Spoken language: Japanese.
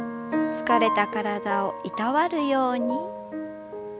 疲れた体をいたわるように。